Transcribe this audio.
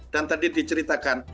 dan tadi diceritakan